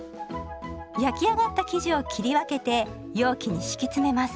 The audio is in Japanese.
焼き上がった生地を切り分けて容器に敷き詰めます。